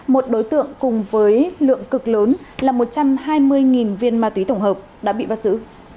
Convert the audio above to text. một đối tượng cùng với lượng cực lớn là một trăm hai mươi viên ma túy tổng hợp đã bị bắt giữ